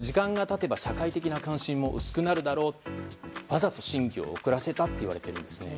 この時は共和党が時間が経てば社会的な関心も薄くなるだろうとわざと審議を遅らせたといわれているんですね。